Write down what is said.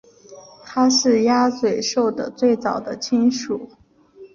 它是鸭嘴兽的最早的亲属。